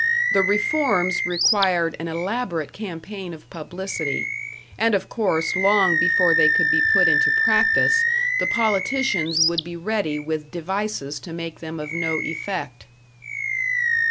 The reforms required an elaborate campaign of publicity and of course long before they could be put into practice, the politicians would be ready with devices to make them of no effect.